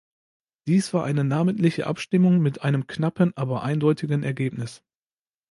Dies war eine namentliche Abstimmung mit einem knappen, aber eindeutigen Ergebnis.